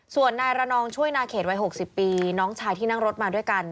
ส่วนนายระนองช่วยนาเขตวัย๖๐ปีน้องชายที่นั่งรถมาด้วยกัน